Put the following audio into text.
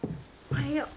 おはよう。